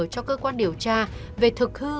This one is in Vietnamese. cho cơ quan điều tra về thực hư